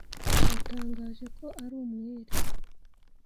Yatangaje ko ari umwere.